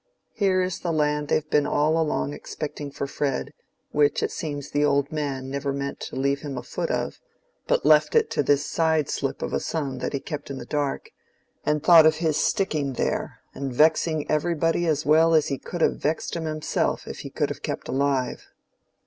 Here is the land they've been all along expecting for Fred, which it seems the old man never meant to leave him a foot of, but left it to this side slip of a son that he kept in the dark, and thought of his sticking there and vexing everybody as well as he could have vexed 'em himself if he could have kept alive.